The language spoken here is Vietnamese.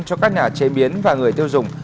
cho các nhà chế biến và người tiêu dùng